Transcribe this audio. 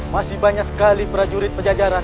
masih banyak sekali prejurit pejajaran